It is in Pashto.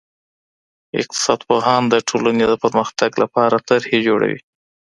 اقتصاد پوهان د ټولني د پرمختګ لپاره طرحي جوړوي.